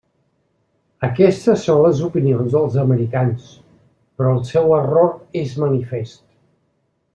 Aquestes són les opinions dels americans; però el seu error és manifest.